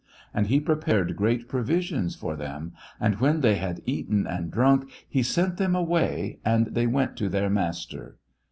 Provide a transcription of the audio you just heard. And he prepared great ■provision for them ; and when they had eaten and drunk he sent them away and they went to tbeir master.